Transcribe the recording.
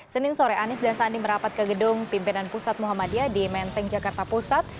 senin sore anies dan sandi merapat ke gedung pimpinan pusat muhammadiyah di menteng jakarta pusat